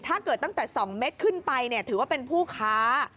ถ้าเกิดตั้งแต่๒เมตรขึ้นไปถือว่าเป็นผู้ค้า